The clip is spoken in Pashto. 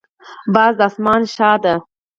باز د اسمان شاه دی